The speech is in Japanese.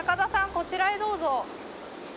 こちらへどうぞ。